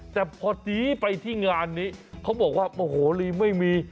แต่พอดีไปที่งานนี้เขาบอกว่าโมโหลีไม่มี